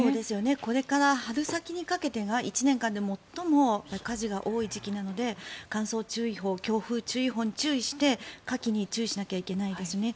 これから春先にかけては１年間で最も火事が多い時期なので乾燥注意報、強風注意報に注意して火気に注意しなきゃいけないですね。